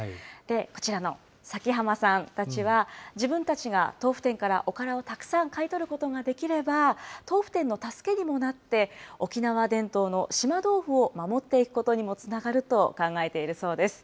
こちらの崎濱さんたちは、自分たちが豆腐店からおからをたくさん買い取ることができれば、豆腐店の助けにもなって、沖縄伝統の島豆腐を守っていくことにもつながると考えているそうです。